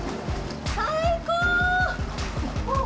最高！